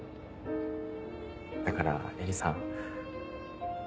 だから絵理さん。